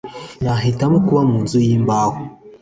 nahitamo kuba mu nzu yimbaho